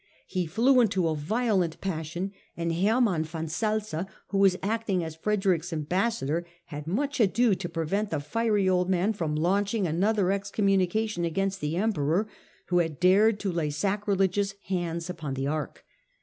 He flew into a violent passion, and Hermann von Salza, who was acting as Frederick's ambassador, had much ado to prevent the fiery old man from launching another excommunication against the Emperor, who had dared to lay sacrilegious hands upon the Ark.